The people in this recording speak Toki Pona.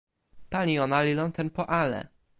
pali ona li lon tenpo ale.